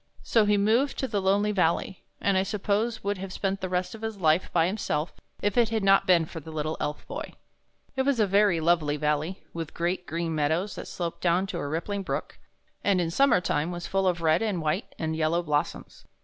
So he moved to the lonely valley, and I suppose would have spent the rest of his life by himself, if it had not been for the little Elf Boy. It was a very lovely valley, with great, green meadows that sloped down to a rippling brook, and in summer time were full of red and white and yellow blossoms.